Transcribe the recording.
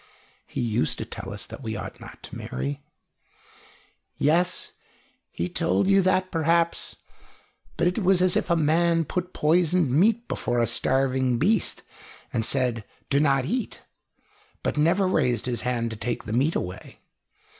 "He used to tell us that we ought not to marry " "Yes he told you that, perhaps but it was as if a man put poisoned meat before a starving beast, and said 'do not eat,' but never raised his hand to take the meat away.